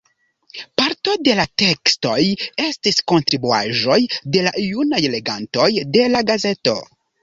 Parto de la tekstoj estis kontribuaĵoj de la junaj legantoj de la gazeto.